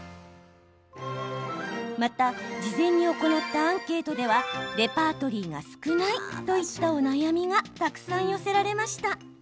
また事前に行ったアンケートではレパートリーが少ない、といったお悩みがたくさん寄せられました。